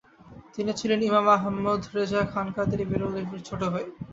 তিনি ছিলেন ইমাম আহমদ রেজা খান কাদেরী বেরলভীর ছোট ভাই।